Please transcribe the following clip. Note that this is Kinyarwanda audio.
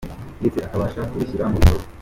ndetse akabasha kubishyira mu bikorwa.